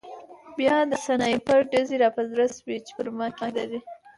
بیا د سنایپر ډزې را په زړه شوې چې پر ما کېدلې